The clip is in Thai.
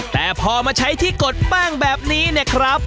แต่พอมาใช้ที่กดแป้งแบบนี้เนี่ยครับ